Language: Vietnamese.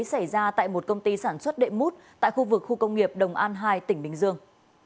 xảy ra tại một công ty sản xuất đệm mút tại khu vực khu công nghiệp đồng an hai tỉnh bình dương